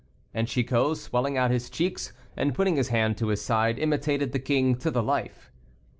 And Chicot, swelling out his cheeks, and putting his hand to his side, imitated the king to the life.